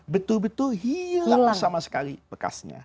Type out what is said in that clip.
betul betul hilang sama sekali bekasnya